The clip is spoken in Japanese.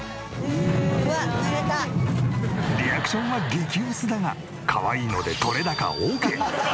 リアクションは激薄だがかわいいので撮れ高オーケー！